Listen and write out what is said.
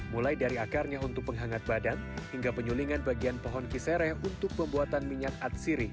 mulai dari akarnya untuk penghangat badan hingga penyulingan bagian pohon kisere untuk pembuatan minyak atsiri